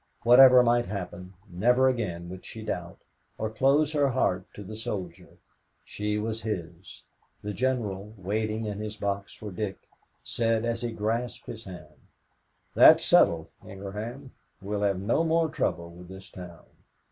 Whatever might happen, never again would she doubt, or close her heart to the soldier. She was his. The General, waiting in his box for Dick, said as he grasped his hand, "That's settled, Ingraham. We'll have no more trouble with this town."